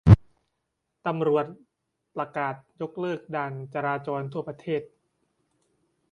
ตำรวจประกาศยกเลิกด่านจราจรทั่วประเทศ